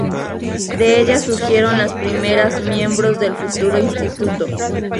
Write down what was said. De ellas surgieron las primeras miembros del futuro instituto.